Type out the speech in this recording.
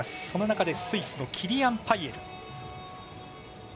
その中でスイスのキリアン・パイエル。